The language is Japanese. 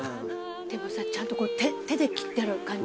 でもさちゃんと手で切ってある感じ。